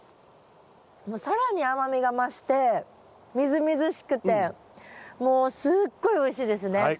更に甘みが増してみずみずしくてもうすっごいおいしいですね。